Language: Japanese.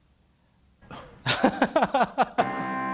アハハハ！